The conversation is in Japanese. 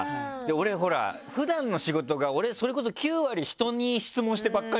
俺ほら普段の仕事が俺それこそ９割人に質問してばっかりじゃん。